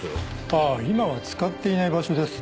あぁ今は使っていない場所です。